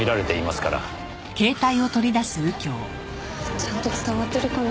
ちゃんと伝わってるかな？